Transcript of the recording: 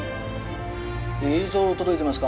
映像届いてますか？